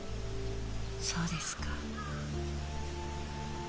そうですか。